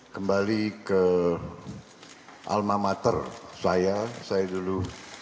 kembali ke alma mater saya saya dulu